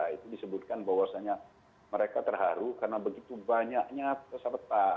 itu disebutkan bahwasannya mereka terharu karena begitu banyaknya peserta